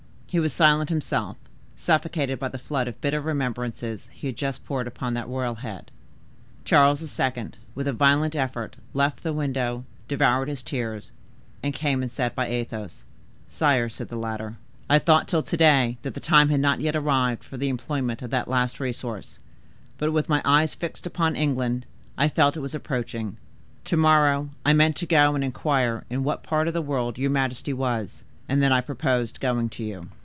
He was silent himself, suffocated by the flood of bitter remembrances he had just poured upon that royal head. Charles II., with a violent effort, left the window, devoured his tears, and came and sat by Athos. "Sire," said the latter, "I thought till to day that the time had not yet arrived for the employment of that last resource; but, with my eyes fixed upon England, I felt it was approaching. To morrow I meant to go and inquire in what part of the world your majesty was, and then I purposed going to you.